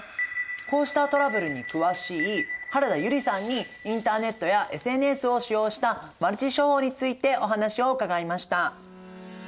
こうしたトラブルに詳しい原田由里さんにインターネットやＳＮＳを使用したマルチ商法についてお話を伺いました。